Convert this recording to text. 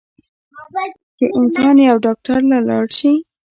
چې انسان يو ډاکټر له لاړشي